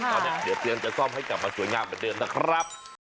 ตอนนี้เดี๋ยวเตรียมจะซ่อมให้กลับมาสวยงามเหมือนเดิมนะครับ